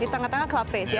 di tengah tengah club face ya